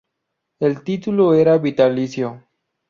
El título era vitalicio.